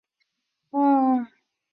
梯因屈是前代国王沙里伽维的儿子。